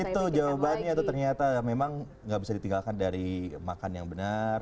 itu jawabannya tuh ternyata memang nggak bisa ditinggalkan dari makan yang benar